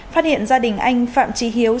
phát hiện gia đình anh phạm trí hiếu